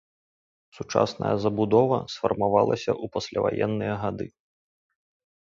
Сучасная забудова сфармавалася ў пасляваенныя гады.